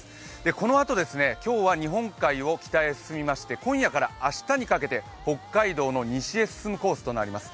このあと今日は日本海を北へ進みまして今夜から明日にかけて北海道の西へ進むコースとなります。